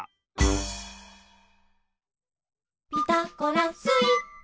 「ピタゴラスイッチ」